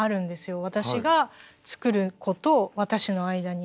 私が作る子と私の間に。